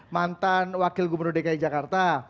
mantan wakil gubernur dki jakarta